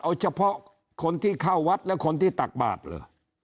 เอาเฉพาะคนที่เข้าวัดและคนที่ตักบาทเหรอ